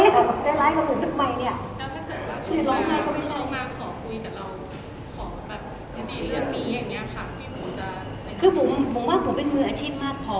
ของแบบเรื่องนี้อย่างเนี้ยค่ะคือผมผมว่าผมเป็นมืออาชีพมากพอ